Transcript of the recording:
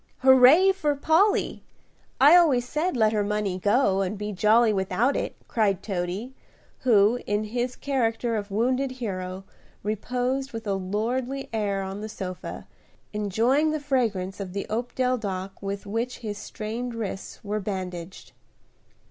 "Hooray for Polly! I always said let her money go and be jolly without it," cried Toady, who, in his character of wounded hero, reposed with a lordly air on the sofa, enjoying the fragrance of the opodeldoc with which his strained wrists were bandaged.